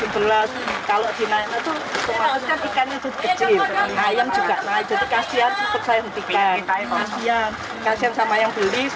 kalau di naik itu kemarin ikannya jadi kecil